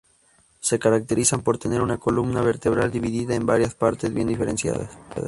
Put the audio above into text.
Se caracterizan por tener una columna vertebral dividida en varias partes bien diferenciadas.